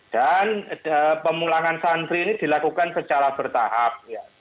dan pemulangan santri ini dilakukan secara bertahap